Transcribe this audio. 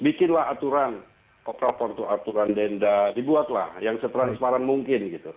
bikinlah aturan operator itu aturan denda dibuatlah yang setransparan mungkin gitu